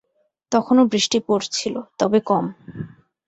তখনো বৃষ্টি পড়ছিল, তবে কম।